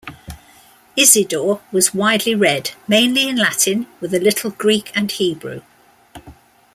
Isidore was widely read, mainly in Latin with a little Greek and Hebrew.